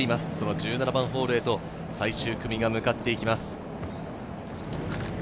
１７番ホールへと最終組が向かっていきます。